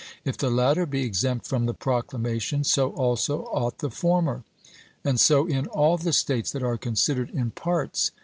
If the latter be exempt from the proclamation, so also ought the former. And so in all the States that are considered in parts.